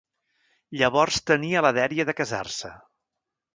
Llavors tenia la dèria de casar-se.